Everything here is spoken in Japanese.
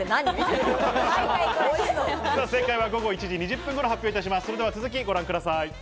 正解は午後１時２０分頃発表します。